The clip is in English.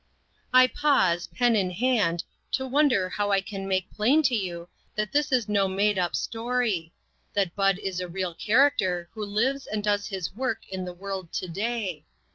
I pause, pen in hand, to wonder how I can make plain to you that this is no made up story; that Bud is a real character who lives and does his work in the world to day.